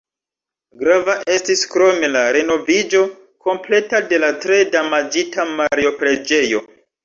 Grava estis krome la renoviĝo kompleta de la tre damaĝita Mario-preĝejo.